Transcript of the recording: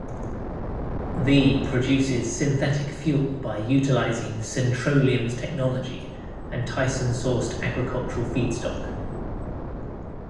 The produces synthetic fuel by utilizing Syntroleum's technology and Tyson sourced agricultural feedstock.